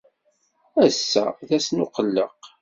Ass-a d ass n uqelleq.